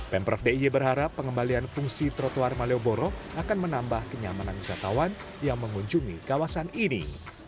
pemprov d i e berharap pengembalian fungsi trotoar malioboro akan menambah kenyamanan wisatawan yang mengunjungi kawasan ini